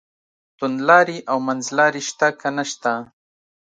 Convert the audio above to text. توندلاري او منځلاري شته که نشته.